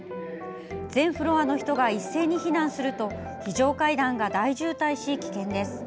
全フロアの人が一斉に避難すると非常階段が大渋滞し、危険です。